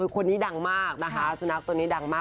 คนนี้ดังมากนะคะสุนัขตัวนี้ดังมาก